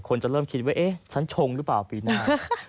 จะเริ่มคิดว่าเอ๊ะฉันชงหรือเปล่าปีหน้า